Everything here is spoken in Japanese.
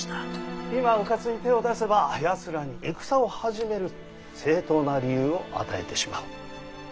今うかつに手を出せばやつらに戦を始める正当な理由を与えてしまう。